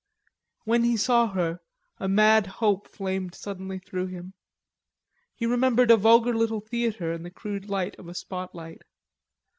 When he saw her, a mad hope flamed suddenly through him. He remembered a vulgar little theatre and the crude light of a spot light.